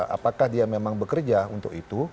apakah dia memang bekerja untuk itu